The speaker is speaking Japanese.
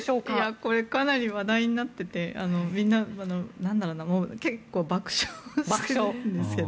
これはかなり話題になっていてみんな結構、爆笑してるんですけど。